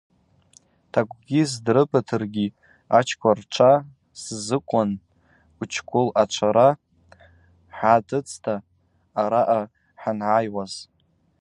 Тӏакӏвгьи сдрыбыртыргьи – ачвква ршӏа сзыкӏуан Учкъвыл атшвара хӏгӏатыцӏта араъа хӏангӏайуаз.